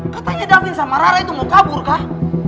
katanya david sama rara itu mau kabur kan